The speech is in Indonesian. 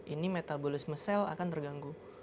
ini metabolisme sel akan terganggu